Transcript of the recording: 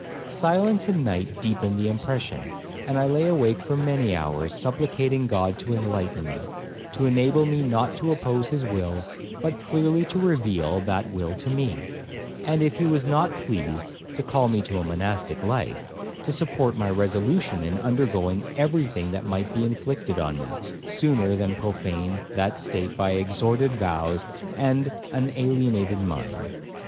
Silence and night deepened the impression, and I lay awake for many hours, supplicating God to enlighten me, to enable me not to oppose his will, but clearly to reveal that will to me; and if he was not pleased to call me to a monastic life, to support my resolution in undergoing every thing that might be inflicted on me, sooner than profane that state by extorted vows and an alienated mind.